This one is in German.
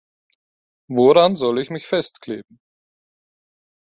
Woran soll ich mich festkleben?